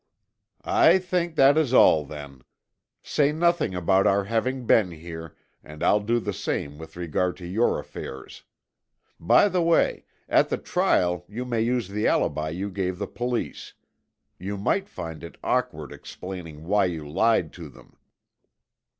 "I think that is all then. Say nothing about our having been here, and I'll do the same with regard to your affairs. By the way, at the trial you may use the alibi you gave the police. You might find it awkward explaining why you lied to them."